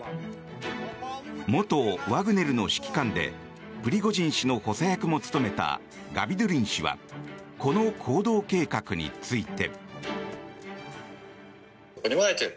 元ワグネルの指揮官でプリゴジン氏の補佐役も務めたガビドゥリン氏はこの行動計画について。